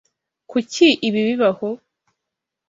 Kuki ibi bibaho?